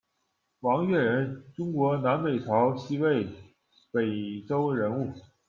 王悦人，中国南北朝西魏、北周人物。